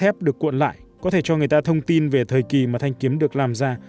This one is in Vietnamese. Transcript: thép được cuộn lại có thể cho người ta thông tin về thời kỳ mà thanh kiếm được làm ra